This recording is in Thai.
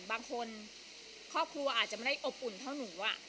บางคนครอบครัวอาจจะไม่ได้อบอุ่นเท่าหนู